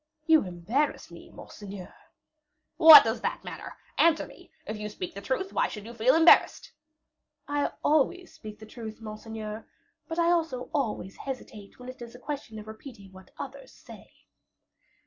"You embarrass me, monseigneur." "What does that matter? Answer me. If you speak the truth, why should you feel embarrassed?" "I always speak the truth, monseigneur; but I also always hesitate when it is a question of repeating what others say."